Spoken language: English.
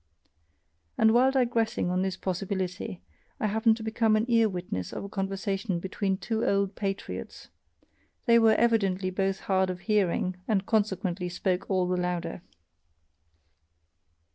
And while digressing on this possibility, I happen to become an ear witness of a conversation between two old patriots they were evidently both hard of hearing and consequently spoke all the louder.